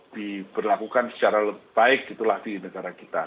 diberlakukan secara baik itulah di negara kita